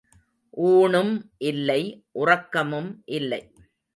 ஊணும் இல்லை உறக்கமும் இல்லை.